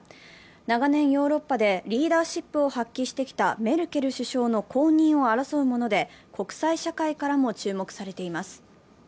長年、ヨーロッパでリーダーシップを発揮してきたメルケル首相の後任を争うもので国際社会からも注目されています。